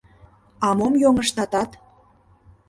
— А мом йоҥыштатат?